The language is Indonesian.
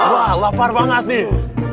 wah lapar banget nih